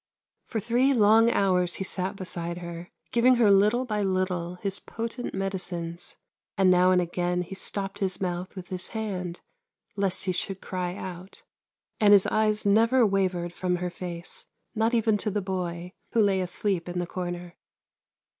For three long hours he sat beside her, giving her little by little his potent medicines ; and now and again he stopped his mouth with his hand, lest he should cry out ; and his eyes never wavered from her face, not even to the boy, who lay asleep in the corner.